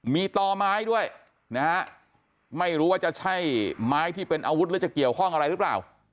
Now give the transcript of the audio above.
มีต่อไม้ด้วยนะฮะไม่รู้ว่าจะใช่ไม้ที่เป็นอาวุธหรือจะเกี่ยวข้องอะไรหรือเปล่า